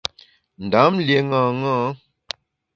Ndam lié ṅaṅâ.